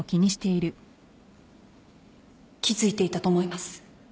気付いていたと思います。